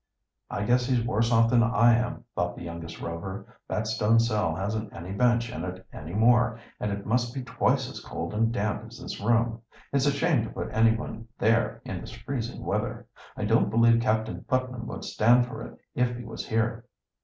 "I guess he's worse off than I am," thought the youngest Rover. "That stone cell hasn't any bench in it any more, and it must be twice as cold and damp as this room. It's a shame to put anyone there in this freezing weather. I don't believe Captain Putnam would stand for it if he was here."